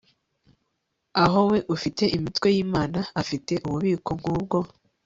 Aho we ufite imitwe yimana afite ububiko nkubwo